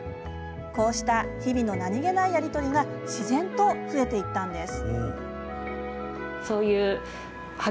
こうした日々の何気ないやり取りが自然と増えていきました。